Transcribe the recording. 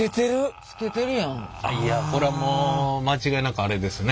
これはもう間違いなくアレですね。